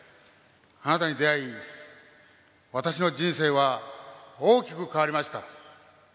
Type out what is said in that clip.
あなたに出会い、私の人生は大きく変わりました。